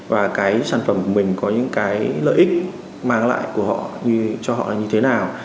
và cái sản phẩm của mình có những cái lợi ích mang lại của họ cho họ là như thế nào